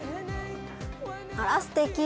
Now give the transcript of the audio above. あらすてき！